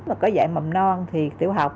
nếu có dạy mầm non thì tiểu học